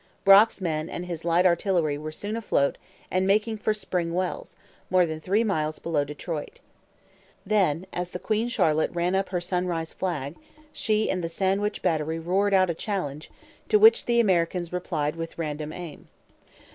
Brock's men and his light artillery were soon afloat and making for Spring Wells, more than three miles below Detroit. Then, as the Queen Charlotte ran up her sunrise flag, she and the Sandwich battery roared out a challenge to which the Americans replied with random aim.